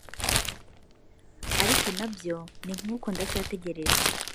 ariko nabyo ni nk’uko ndacyategereje